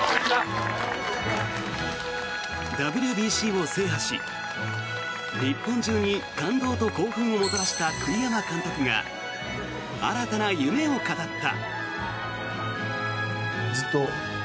ＷＢＣを制覇し日本中に感動と興奮をもたらした栗山監督が新たな夢を語った。